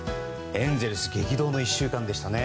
エンゼルス激動の１週間でしたね。